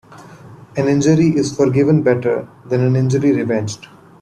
An injury is forgiven better than an injury revenged.